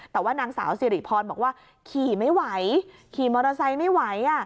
แต่ว่านางสาวสิริพรบอกว่าขี่ไม่ไหวขี่มอเตอร์ไซค์ไม่ไหว